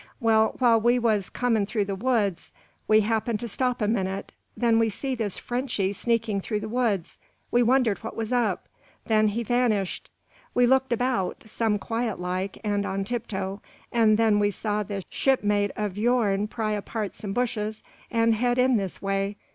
"Well, while we was coming through the woods we happened to stop a minute. Then we see this Frenchy sneaking through the woods. We wondered what was up. Then he vanished. We looked about, some quiet like, and on tiptoe, and then we saw this shipmate o' your'n pry apart some bushes and head in this way.